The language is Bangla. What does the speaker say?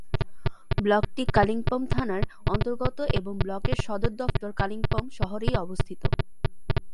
ব্লকটি কালিম্পং থানার অন্তর্গত এবং ব্লকের সদর দফতর কালিম্পং শহরে অবস্থিত।